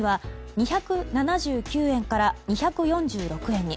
２７９円から２４６円に。